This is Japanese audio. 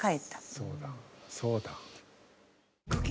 そうだそうだ。